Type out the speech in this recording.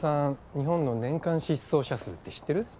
日本の年間失踪者数って知ってる？